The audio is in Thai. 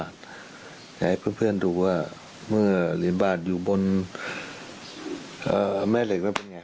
ดูว่าเมื่อหลีกบาทอยู่บนแม่เหล็กนั้นเป็นยังไง